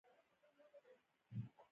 هغه کتاب د انسانیت په اړه و.